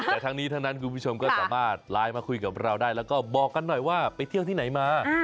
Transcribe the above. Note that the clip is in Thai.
แต่ทั้งนี้ทั้งนั้นคุณผู้ชมก็สามารถไลน์มาคุยกับเราได้แล้วก็บอกกันหน่อยว่าไปเที่ยวที่ไหนมา